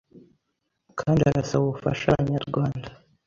Kandi arasaba ubufasha abanyarwanda